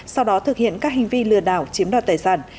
sau đó thực hiện các hành vi lừa đảo chiếm đoạt tài sản